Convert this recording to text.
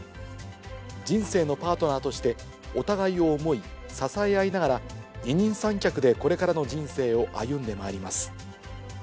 人生のパートナーとして、お互いを思い、支え合いながら、二人三脚でこれからの人生を歩んでまいります。